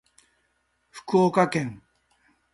福岡県